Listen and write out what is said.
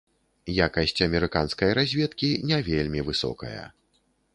Якасць амерыканскай разведкі не вельмі высокая.